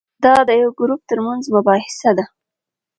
دا د یو ګروپ ترمنځ مباحثه ده.